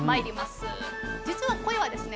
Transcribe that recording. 実はコイはですね